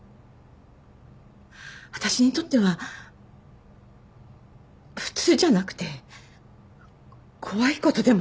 私にとっては普通じゃなくて怖いことでもあるし。